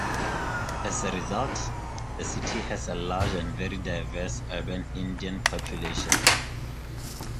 As a result, the city has a large and very diverse urban Indian population.